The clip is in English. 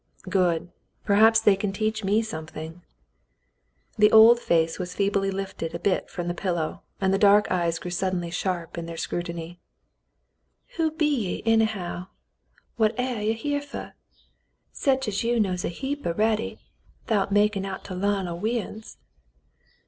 Good. Perhaps they can teach me something." (( 14 The Mountain Girl The old face was feebly lifted a bit from the pillow, and the dark eyes grew suddenly sharp in their scrutiny. "Who be ye, anyhow? What aire ye here fer? Sech as you knows a heap a'ready 'thout makin' out to larn o' we uns."